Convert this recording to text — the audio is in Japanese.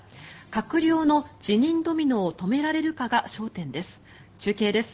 閣僚の辞任ドミノを止められるかが焦点です。